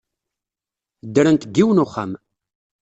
Ddrent deg yiwen n uxxam.